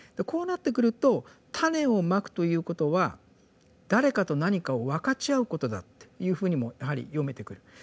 こうなってくると種を蒔くということは誰かと何かを分かち合うことだっていうふうにもやはり読めてくる。